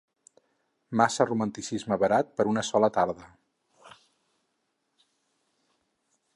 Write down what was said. Massa romanticisme barat per una sola tarda.